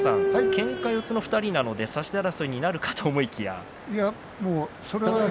けんか四つの２人なので差し手争いになるかと思いきや。